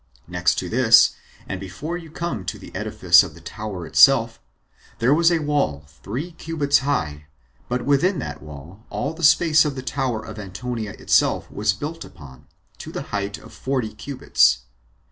Next to this, and before you come to the edifice of the tower itself, there was a wall three cubits high; but within that wall all the space of the tower of Antonia itself was built upon, to the height of forty cubits.